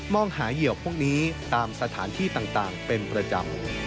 หาเหยื่อพวกนี้ตามสถานที่ต่างเป็นประจำ